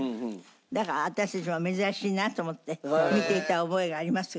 だから私いつも珍しいなと思って見ていた覚えがありますが。